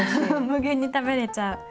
無限に食べれちゃう。